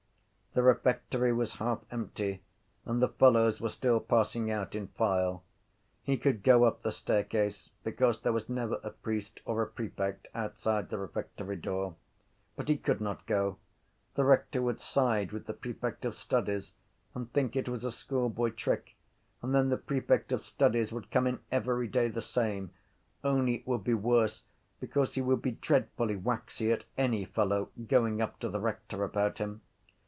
The refectory was half empty and the fellows were still passing out in file. He could go up the staircase because there was never a priest or a prefect outside the refectory door. But he could not go. The rector would side with the prefect of studies and think it was a schoolboy trick and then the prefect of studies would come in every day the same, only it would be worse because he would be dreadfully waxy at any fellow going up to the rector about him.